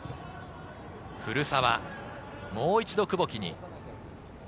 古澤、もう一度、久保木に。